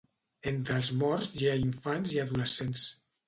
Entre els morts hi ha infants i adolescents.